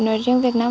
nói riêng việt nam